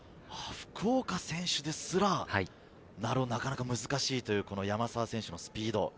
福岡選手ですら、なかなか難しいという山沢選手のスピード。